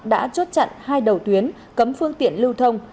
đã chốt chặn hai đầu tuyến cấm phương tiện lưu thông